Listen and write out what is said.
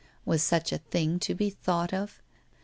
Was such a thing to be thought of?